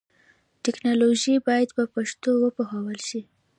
ټکنالوژي باید په پښتو وپوهول شي.